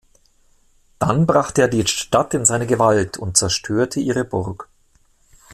Dann brachte er die Stadt in seine Gewalt und zerstörte ihre Burg.